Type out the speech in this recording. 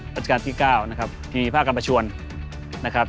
ปัจจักรที่๙นะครับที่มีภาคกรรมประชวนนะครับ